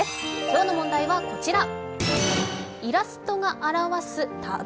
今日の問題はこちら。